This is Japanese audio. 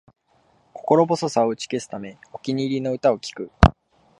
心細さを打ち消すため、お気に入りの歌を聴く